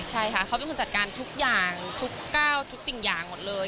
ใช่ค่ะเขาเป็นคนจัดการทุกอย่างทุกก้าวทุกสิ่งอย่างหมดเลย